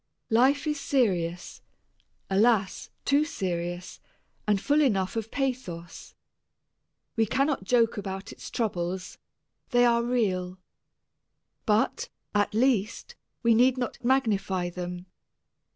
Life is serious alas, too serious and full enough of pathos. We cannot joke about its troubles; they are real. But, at least, we need not magnify them.